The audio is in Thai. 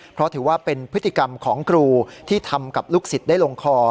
เพราะถือว่าเป็นพฤติกรรมของครูที่ทำกับลูกศิษย์ได้ลงคอ